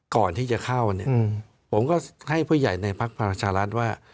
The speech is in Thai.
ก่อนที่จะเข้าเนี่ยผมก็ให้ผู้ใหญ่ในพักพลังประชารัฐว่า